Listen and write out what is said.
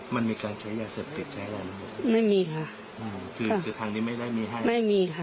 ไม่มีแต่นั่นเองก็ไม่มี